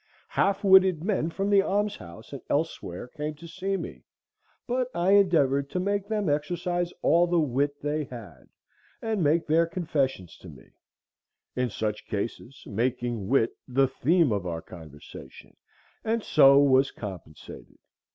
Half witted men from the almshouse and elsewhere came to see me; but I endeavored to make them exercise all the wit they had, and make their confessions to me; in such cases making wit the theme of our conversation; and so was compensated.